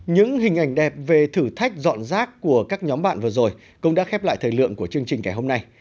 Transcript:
những hình ảnh đẹp về thử thách dọn rác của các nhóm bạn vừa rồi cũng đã khép lại thời lượng của chương trình ngày hôm nay